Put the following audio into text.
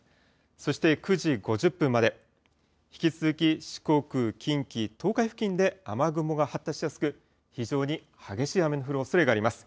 そして９時５０分まで、引き続き四国、近畿、東海付近で雨雲が発達しやすく、非常に激しい雨の降るおそれがあります。